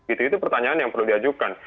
itu pertanyaan yang perlu diajukan